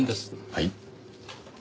はい。